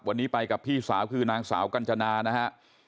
วันนี้ไปกับพี่สาวคือนางสาวกัญจนานะฮะ